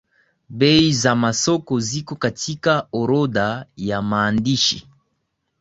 bei za masoko ziko katika orodha ya maandishi